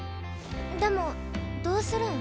でもどうするん？